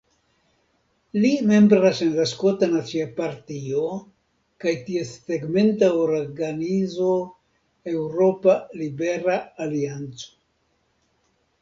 Li membras en la Skota Nacia Partio kaj ties tegmenta organizo Eŭropa Libera Alianco.